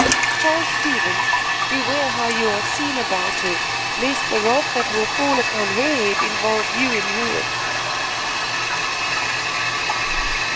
Charles Stevens, beware how you are seen about her, lest the wrath that will fall upon her head involve you in ruin."